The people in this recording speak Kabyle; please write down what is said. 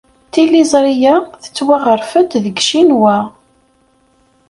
Tiliẓri-a tettwaɣref-d deg Ccinwa.